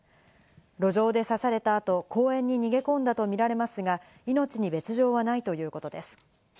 路上で刺された後、公園に逃げ込んだとみられますが、命に別条はないということです。